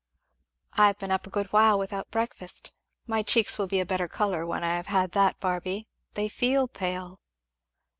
"I have been up a good while without breakfast my cheeks will be a better colour when I have had that, Barby they feel pale."